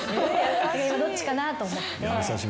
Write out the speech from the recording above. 今どっちかなと思って。